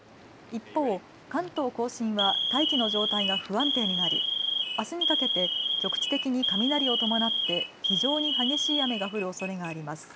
一方、関東甲信は大気の状態が不安定になりあすにかけて局地的に雷を伴って非常に激しい雨が降るおそれがあります。